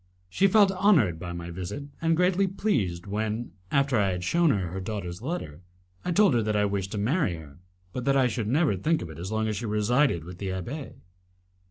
She felt honoured by my visit, and greatly pleased when, after I had shewn her her daughter's letter, I told her that I wished to marry her, but that I should never think of it as long as she resided with the abbé.